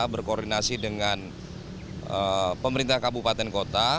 berkoordinasi dengan pemerintah kabupaten kota